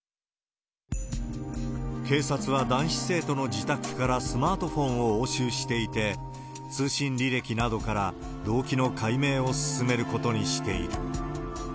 警察は男子生徒の自宅からスマートフォンを押収していて、通信履歴などから動機の解明を進めることにしている。